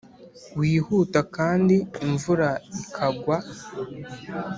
wihuta kandi imvura ikagwa